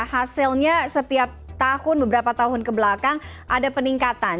hasilnya setiap tahun beberapa tahun kebelakang ada peningkatan